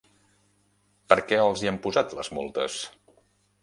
Per què els hi han posat les multes?